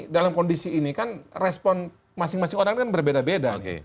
dalam kondisi ini kan respon masing masing orang kan berbeda beda